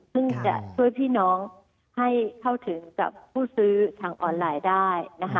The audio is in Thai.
ซึ่งจะช่วยพี่น้องให้เข้าถึงกับผู้ซื้อทางออนไลน์ได้นะคะ